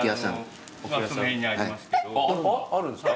あるんですか？